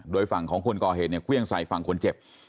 โดยฝั่งของคนก่อเหตุเนี่ยเครื่องใส่ฝั่งคนเจ็บ